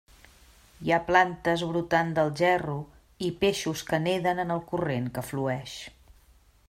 Hi ha plantes brotant del gerro, i peixos que neden en el corrent que flueix.